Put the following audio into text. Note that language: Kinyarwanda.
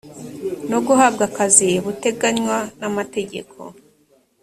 no guhabwa akazi buteganywa n amategeko